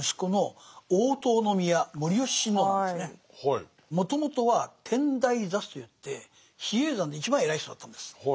それがもともとは天台座主といって比叡山で一番偉い人だったんです。